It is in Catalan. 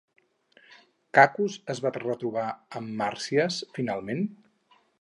Cacus es va retrobar amb Màrsias finalment?